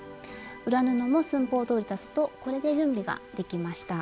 裏布も寸法どおり裁つとこれで準備ができました。